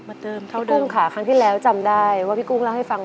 พี่กุ้งค่ะครั้งที่แล้วจำได้ว่าพี่กุ้งเล่าให้ฟัง